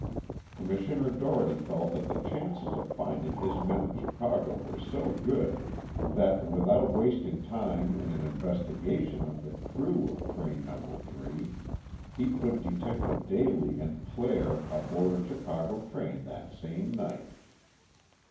Commissioner Dougherty felt that the chances of finding his men in Chicago were so good that, without wasting time in an investigation of the crew of Train No. 3, he put Detectives Daly and Clare aboard a Chicago train that same night.